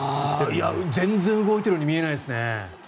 全然動いているように見えないですね。